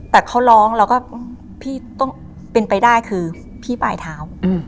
แต่เขาร้องแล้วก็พี่ต้องเป็นไปได้คือพี่ปลายเท้า